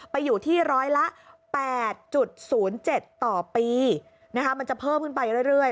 ไปอยู่ที่ร้อยละ๘๐๗ต่อปีนะคะมันจะเพิ่มขึ้นไปเรื่อย